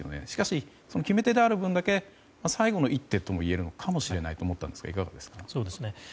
しかし、決め手である分だけ最後の一手ともいえるかもしれないと思ったんですがいかがですか。